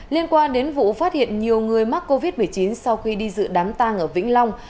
liên quan đến vụ phát hiện nhiều người mắc covid một mươi chín sau khi đi dự đám tang ở vĩnh long